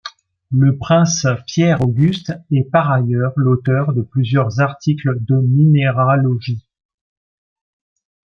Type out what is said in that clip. Le prince Pierre Auguste est par ailleurs l'auteur de plusieurs articles de minéralogie.